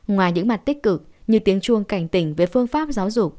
ngoài những mặt tích cực như tiếng chuông cảnh tỉnh với phương pháp giáo dục